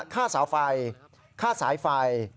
ค่าเสาไฟค่าสายไฟ